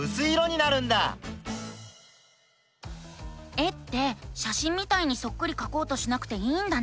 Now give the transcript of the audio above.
絵ってしゃしんみたいにそっくりかこうとしなくていいんだね。